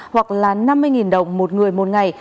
hoặc là năm mươi đồng một người một ngày